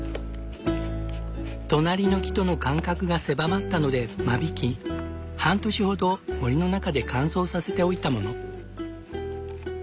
隣の木との間隔が狭まったので間引き半年ほど森の中で乾燥させておいたもの。